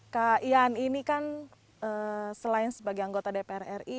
kak ian ini kan selain sebagai anggota dpr ri